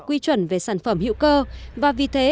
quy chuẩn về sản phẩm hữu cơ và vì thế